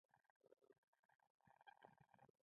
هغوی ټول په مخه روان وو او ما ته یې پام نه و